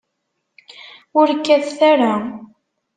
Ur kkatet ara.